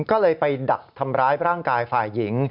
ก็เลยไปดักทำร้ายร่างกายฝ่ายหญิง